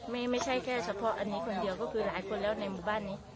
ไม่ใช่แค่เฉพาะอันนี้คนเดียวก็คือหลายคนแล้วในหมู่บ้านนี้